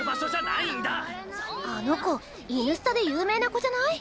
あの子イヌスタで有名な子じゃない？